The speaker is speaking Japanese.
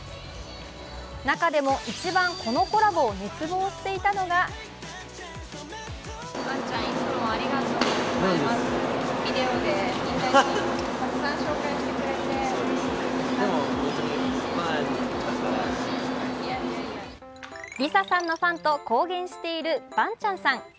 中でも一番このコラボを熱望していたのがＬｉＳＡさんのファンと公言しているバンチャンさん。